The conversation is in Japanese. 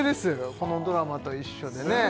このドラマと一緒でねねえ